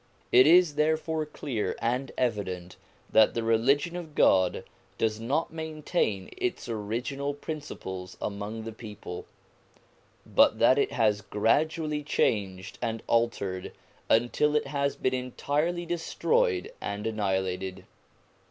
It is therefore clear and evident that the Religion of God does not maintain its original principles among the people, but that it has gradually changed and altered until it has been entirely destroyed and annihilated.